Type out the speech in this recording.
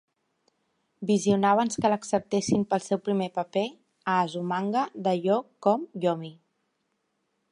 Visionabans que l'acceptessin pel seu primer paper a Azumanga Daioh com Yomi.